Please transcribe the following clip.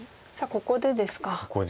ここでです。